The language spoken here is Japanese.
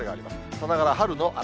さながら春の嵐。